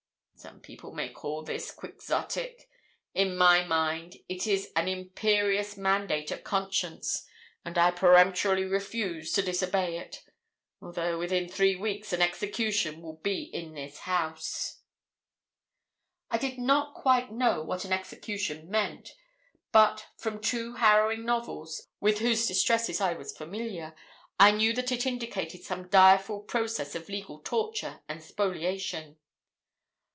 Some people may call this Quixotic. In my mind it is an imperious mandate of conscience; and I peremptorily refuse to disobey it, although within three weeks an execution will be in this house!' I did not quite know what an execution meant; but from two harrowing novels, with whose distresses I was familiar, I knew that it indicated some direful process of legal torture and spoliation.